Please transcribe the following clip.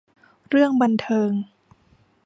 เรื่องบันเทิง